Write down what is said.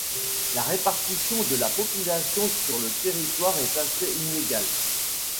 La répartition de la population sur le territoire est assez inégale.